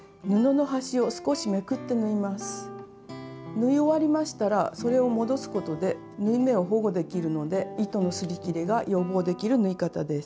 縫い終わりましたらそれを戻すことで縫い目を保護できるので糸のすり切れが予防できる縫い方です。